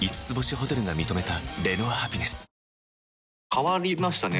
変わりましたね。